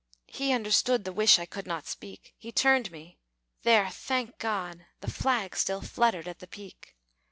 He understood The wish I could not speak. He turned me. There, thank God! the flag Still fluttered at the peak!